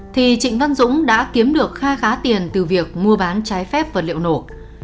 thì trịnh văn dũng đã kiếm được kha khá tiền từ việc mua bán trái phép vật liệu nổ